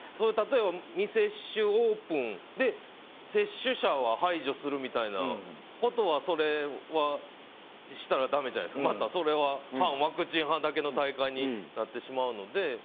例えば、未接種オープンで接種者は排除するみたいなことはそれはしたらだめじゃないですかそれは反ワクチン派だけの大会になってしまうので。